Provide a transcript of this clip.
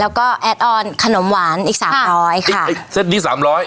แล้วก็แอดออนขนมหวานอีกสามร้อยค่ะไอ้เซ็ตนี้สามร้อย